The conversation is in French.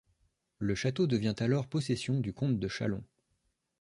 Le château devient alors possession du Comte de Chalon.